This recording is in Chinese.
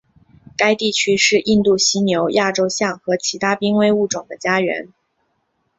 该地区是印度犀牛亚洲象和其他濒危物种的家园。